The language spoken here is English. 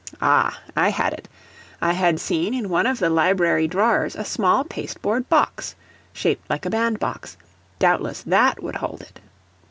Ah! I had it. I had seen in one of the library drawers a small pasteboard box, shaped like a band box doubtless THAT would hold it.